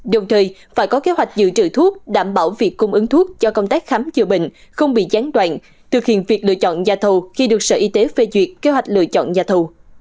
đồng thời phải có kế hoạch dự trữ thuốc đảm bảo việc cung ứng thuốc cho công tác khám chữa bệnh không bị gián đoạn thực hiện việc lựa chọn nhà thầu khi được sở y tế phê duyệt kế hoạch lựa chọn nhà thầu